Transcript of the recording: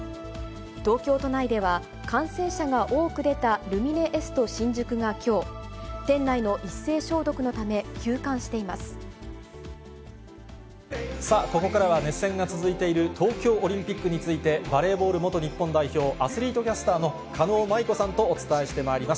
東京都内では、感染者が多く出たルミネエスト新宿がきょう、さあ、ここからは熱戦が続いている東京オリンピックについて、バレーボール元日本代表、アスリートキャスターの狩野舞子さんとお伝えしてまいります。